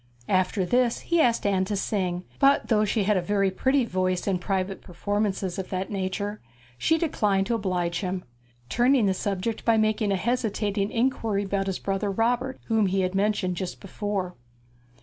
After this he asked Anne to sing, but though she had a very pretty voice in private performances of that nature, she declined to oblige him; turning the subject by making a hesitating inquiry about his brother Robert, whom he had mentioned just before.